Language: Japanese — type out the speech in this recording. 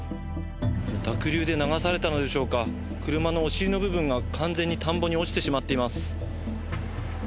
濁流で流されたのでしょうか、車のお尻の部分が完全に田んぼに落ちてしまっています。